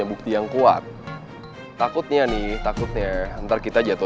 biar aku temuin aja